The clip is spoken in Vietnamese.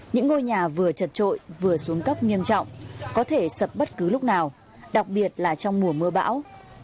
những ngôi nhà vừa chật trội vừa xuống cấp nghiêm trọng có thể sập bất cứ lúc nào đặc biệt là trong mùa mưa bão